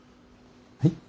はい？